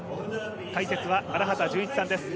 解説は、荒畑潤一さんです。